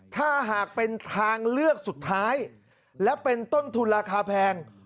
ถ้าหากเป็นทางเลือกสุดท้ายและเป็นต้นทุนราคาแพง